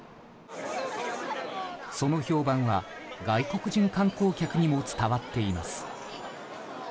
その評判は、外国人観光客にも伝わっています。